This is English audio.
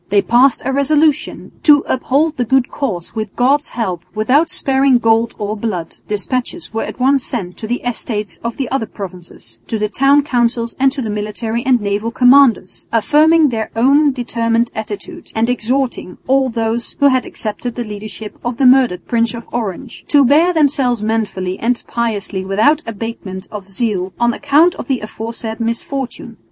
They passed a resolution "to uphold the good cause with God's help without sparing gold or blood." Despatches were at once sent to the Estates of the other provinces, to the town councils and to the military and naval commanders, affirming their own determined attitude and exhorting all those who had accepted the leadership of the murdered Prince of Orange "to bear themselves manfully and piously without abatement of zeal on account of the aforesaid misfortune."